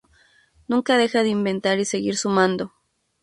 Nunca deja de inventar y seguir sumando.